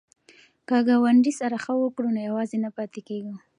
که ګاونډي سره ښه وکړو نو یوازې نه پاتې کیږو.